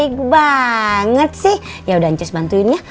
enget sih yaudah ancus bantuin ya